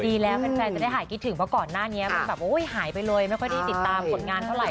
ดีแล้วแฟนจะได้หายคิดถึงเพราะก่อนหน้านี้มันแบบโอ้ยหายไปเลยไม่ค่อยได้ติดตามผลงานเท่าไห